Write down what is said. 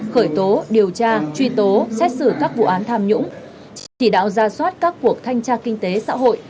khởi tố điều tra truy tố xét xử các vụ án tham nhũng chỉ đạo ra soát các cuộc thanh tra kinh tế xã hội